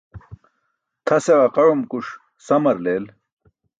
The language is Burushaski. Tʰase ġaqaẏumkuṣ samar leel.